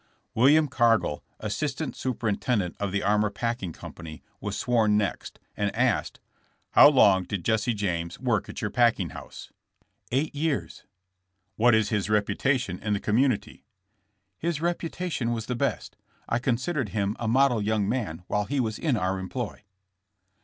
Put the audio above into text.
'* William Car gill, assistant superintendent of the Armour Packing company was sworn next, and asked : *'How long did Jesse James work at your pack , ing house ?''Eight years.'' What is his reputation in the community?'* His reputation was the best. I considered him a model young man while he was in our employ.